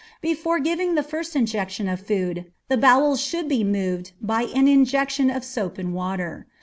Before giving the first injection of food the bowels should be moved by an injection of soap and water.